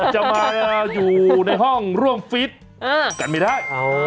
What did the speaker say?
จะมาอยู่ในห้องร่วมฟิตกันไม่ได้